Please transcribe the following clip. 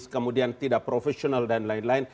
kemudian tidak profesional dan lain lain